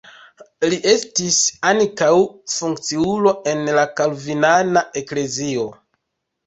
Li estis ankaŭ funkciulo en la kalvinana eklezio.